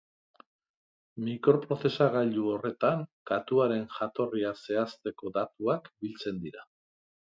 Mikroprozesagailu horretan katuaren jatorria zehazteko datuak biltzen dira.